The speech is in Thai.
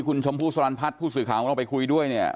คุณชมพู่สรรพัฒน์ผู้สื่อข่าวของเราไปคุยด้วยเนี่ย